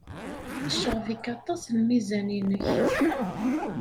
Yecɣeb-ik aṭas lmizan-nnek.